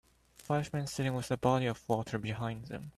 Five men sitting with a body of water behind them.